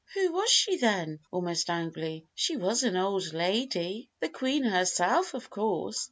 "Who was she, then?" almost angrily; "she was an old lady." "The Queen herself, of course."